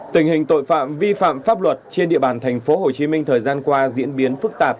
tình hình tội phạm vi phạm pháp luật trên địa bàn tp hcm thời gian qua diễn biến phức tạp